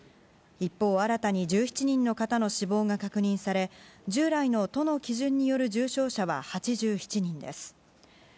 一方、新たに１７人の方の死亡が確認され従来の都の基準による重症者は８７人です。